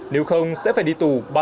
nếu không sẽ phải đi tù ba năm